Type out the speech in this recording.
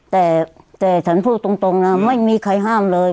แต่แต่ฉันพูดตรงนะไม่มีใครห้ามเลย